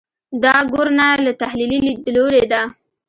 دا ګورنه له تحلیلي لیدلوري ده.